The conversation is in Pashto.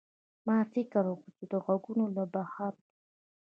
ما فکر وکړ چې غږونه له بهر دي.